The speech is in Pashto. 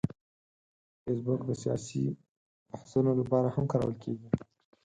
فېسبوک د سیاسي بحثونو لپاره هم کارول کېږي